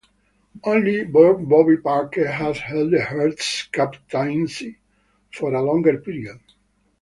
Only Bobby Parker has held the Hearts captaincy for a longer period.